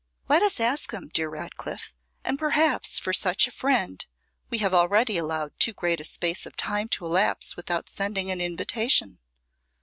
'Let us ask him, dear Ratcliffe; and, perhaps, for such a friend we have already allowed too great a space of time to elapse without sending an invitation.